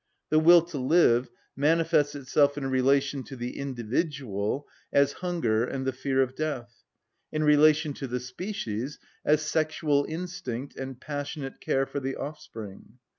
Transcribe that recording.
The will to live manifests itself in relation to the individual as hunger and the fear of death: in relation to the species as sexual instinct and passionate care for the offspring.